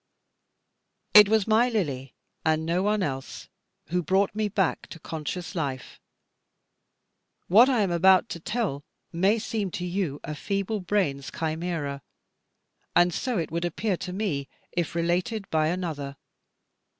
It was my Lily, and no one else, who brought me back to conscious life. What I am about to tell may seem to you a feeble brain's chimera; and so it would appear to me, if related by another.